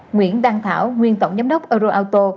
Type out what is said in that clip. nguyễn đăng thảo nguyên tổng giám đốc euroauto